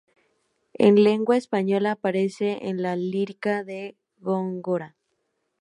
En lengua española, aparece en la lírica de Góngora.